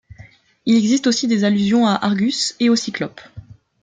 Il existe aussi des allusions à Argus et au Cyclope.